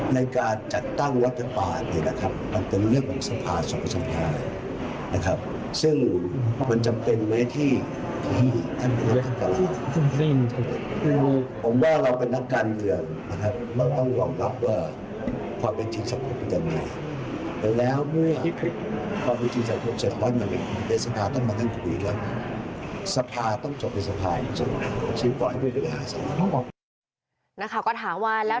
แล้วเมื่อความจริงจากประชาชนธรรมนัทบาลต้องมาตั้งคู่อีกแล้ว